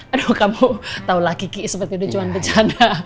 aduh kamu tahulah kiki seperti udah jualan bercanda